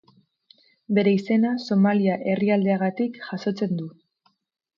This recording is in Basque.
Bere izena Somalia herrialdeagatik jasotzen du.